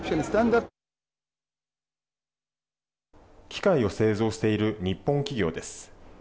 機械を製造している日本企業です。